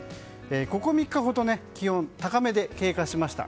ここ３日ほど気温、高めで経過しました。